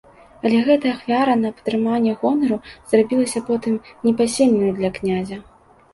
Але гэтая ахвяра на падтрыманне гонару зрабілася потым непасільнаю для князя.